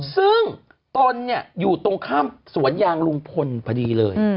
ซึ่งตนอยู่ตรงข้ามสวนยางลุงพลพอดีเลย